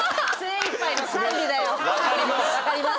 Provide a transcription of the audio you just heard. わかります。